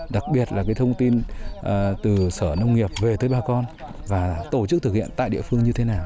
đặc biệt là thông tin từ sở nông nghiệp về tới bà con và tổ chức thực hiện tại địa phương như thế nào